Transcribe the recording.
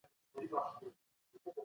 ګډ څانګیز مېتود په علمي څېړنو کې مهم دی.